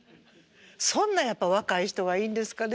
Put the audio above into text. そんなやっぱ若い人がいいんですかね？